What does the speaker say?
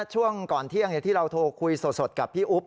ช่วงก่อนเที่ยงที่เราโทรคุยสดกับพี่อุ๊บ